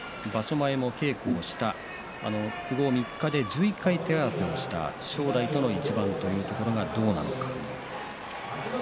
前の稽古をした３日で１１回手合わせをした正代との一番これがどうなのか。